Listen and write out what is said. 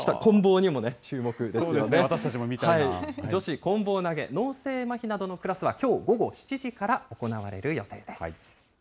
女子こん棒投げ・脳性まひなどのクラスはきょう午後７時から行われる予定です。